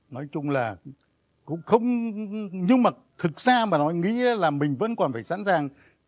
nói chung là cũng không nhưng mà thực ra mà nói nghĩ là mình vẫn còn phải sẵn sàng